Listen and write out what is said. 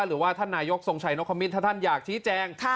หรือว่าท่านนายกทรงชัยนคมินถ้าท่านอยากชี้แจง